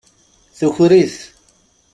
Tuker-it.